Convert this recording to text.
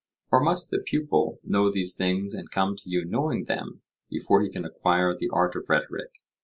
Or must the pupil know these things and come to you knowing them before he can acquire the art of rhetoric?